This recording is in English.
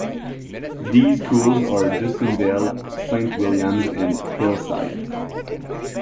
These schools are Dussindale, Saint Williams and Hillside.